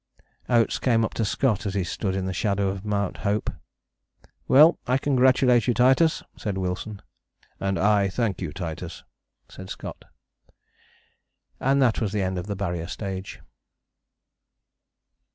Oates came up to Scott as he stood in the shadow of Mount Hope. "Well! I congratulate you, Titus," said Wilson. "And I thank you, Titus," said Scott. And that was the end of the Barrier Stage.